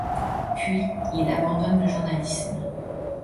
Puis il abandonne le journalisme.